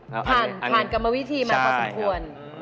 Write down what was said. ผ่านผ่านกรรมวิธีมาพอสมควร